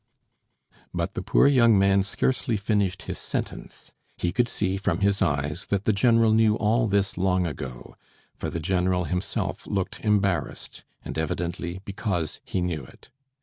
'" But the poor young man scarcely finished his sentence; he could see from his eyes that the general knew all this long ago, for the general himself looked embarrassed, and evidently because he knew it.